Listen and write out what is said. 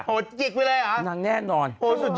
โหดจิกไปแล้วหรอโหดสุดยอดนางแน่นอน